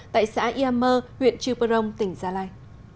tại xã iamer huyện chiu perong tỉnh gia lai